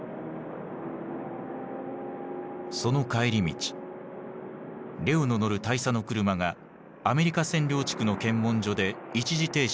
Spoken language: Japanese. その帰り道レオの乗る大佐の車がアメリカ占領地区の検問所で一時停止をせず通過。